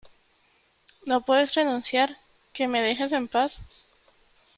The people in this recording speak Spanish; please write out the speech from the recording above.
no puedes renunciar .¡ que me dejes en paz !